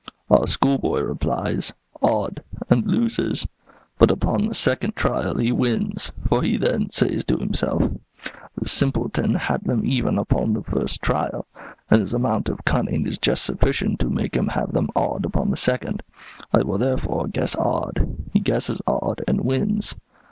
Our schoolboy replies, 'Odd,' and loses; but upon the second trial he wins, for he then says to himself: 'The simpleton had them even upon the first trial, and his amount of cunning is just sufficient to make him have them odd upon the second; I will therefore guess odd;' he guesses odd and wins.